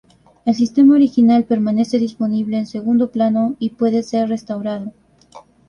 El sistema original permanece disponible en segundo plano y puede ser restaurado.